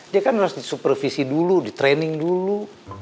dia kan harus disupervisi dulu di training dulu